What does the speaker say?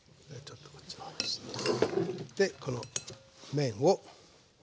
でこの麺を。